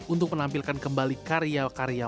untuk menampilkan kembali karya karya